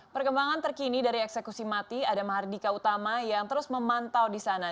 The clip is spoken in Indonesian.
perkembangan terkini dari eksekusi mati ada mahardika utama yang terus memantau di sana